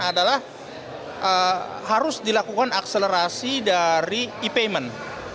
adalah harus dilakukan akselerasi dari e payment